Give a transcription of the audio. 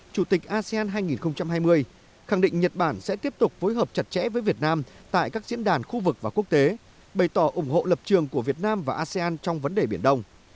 chủ tịch asean hai nghìn hai mươi khẳng định nhật bản sẽ tiếp tục phối hợp chặt chẽ với việt nam tại các diễn đàn khu vực và quốc tế bày tỏ ủng hộ lập trường của việt nam và asean trong vấn đề biển đông